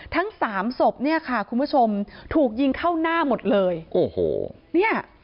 ทั้งสามศพคุณผู้ชมถูกยิงเข้าหน้าหมดเลย